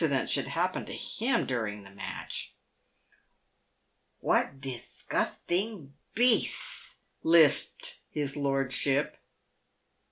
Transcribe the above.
dent should happen to him during the match. " What dithguthting beaths," lisped his lordship.